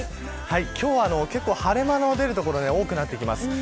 今日は結構、晴れ間の出る所多くなってきます。